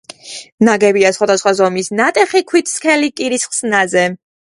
ნაგებია სხვადასხვა ზომის ნატეხი ქვით სქელი კირის ხსნარზე.